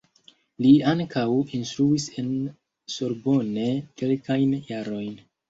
Li ankaŭ instruis en Sorbonne kelkajn jarojn.